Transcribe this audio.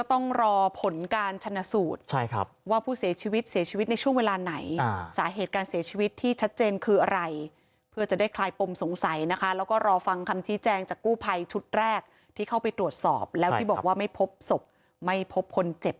ถ้าการกระทำแบบนี้มันอาจจะเป็นกรณีประมาทเป็นเหตุ